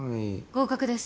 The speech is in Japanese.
合格です。